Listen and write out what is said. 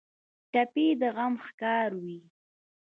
ټپي د غم ښکار وي.